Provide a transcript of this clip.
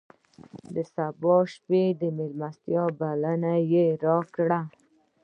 د سبا شپې د مېلمستیا بلنه یې راکړه.